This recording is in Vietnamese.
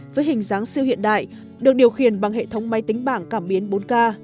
với hình dáng siêu hiện đại được điều khiển bằng hệ thống máy tính bảng cảm biến bốn k